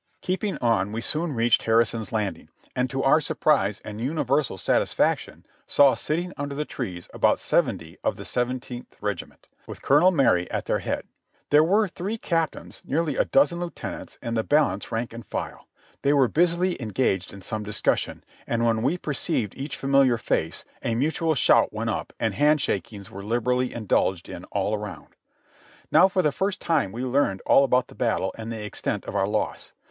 Keeping on we soon reached Harrison's Landing, and to our surprise and universal satisfaction saw sitting under the trees about seventy of the Seventeenth Regiment, with Colonel Marye at their head. There 'were three captains, nearly a dozen lieuten ants and the balance rank and file ; they were busily engaged in some discussion, and when we perceived each familiar face a mu tual shout went up and handshakings were liberally indulged in all around. Now for the first time we learned all about the battle and the extent of our loss.